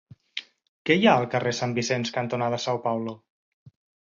Què hi ha al carrer Sant Vicenç cantonada São Paulo?